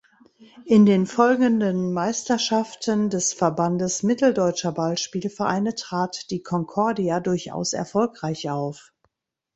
In den folgenden Meisterschaften des Verbandes Mitteldeutscher Ballspiel-Vereine trat die Konkordia durchaus erfolgreich auf.